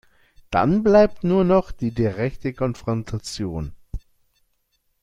Dann bleibt nur noch die direkte Konfrontation.